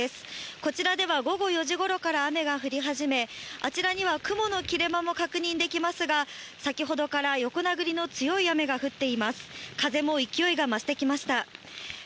こちらでは午後４時ごろから雨が降り始め、あちらには雲の切れ間も確認できますが、先ほどから横殴りの強い雨が降っています。